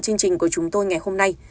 chương trình của chúng tôi ngày hôm nay